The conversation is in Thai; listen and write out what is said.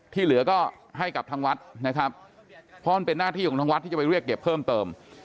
ที่เหลือก็ให้กับทางวัดนะครับเพราะมันเป็นหน้าที่ของทางวัดที่จะไปเรียกเก็บเพิ่มเติม